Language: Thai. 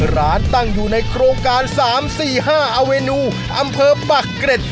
ร้านตั้งอยู่ในโครงการสามสี่ห้าอเวนูอำเภอปรักเกร็จ